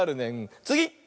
つぎ！